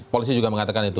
polisnya juga mengatakan itu